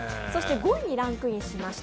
５位にランクインしました